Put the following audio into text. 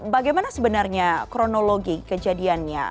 bagaimana sebenarnya kronologi kejadiannya